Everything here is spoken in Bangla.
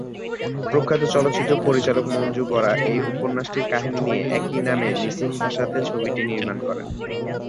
প্রখ্যাত চলচ্চিত্র পরিচালক মঞ্জু বরা এই উপন্যাসটির কাহিনী নিয়ে একি নামে মিসিং ভাষাতে ছবিটি নির্মান করেন।